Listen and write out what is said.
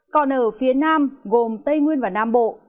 còn ở phía nam gồm tây nguyên và nam bộ